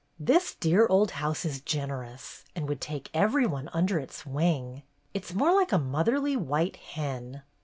This dear old house is generous, and would take every one under its wing. It 's more like a motherly white hen."